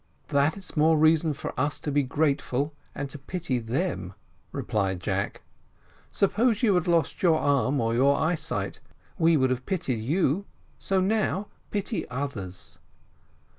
"That's more reason for us to be grateful and to pity them," replied Jack; "suppose you had lost your arm or your eyesight we should have pitied you; so now pity others."